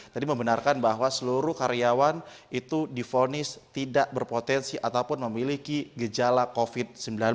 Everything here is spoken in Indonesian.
tadi membenarkan bahwa seluruh karyawan itu difonis tidak berpotensi ataupun memiliki gejala covid sembilan belas